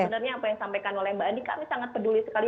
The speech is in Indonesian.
sebenarnya apa yang disampaikan oleh mbak andi kami sangat peduli sekali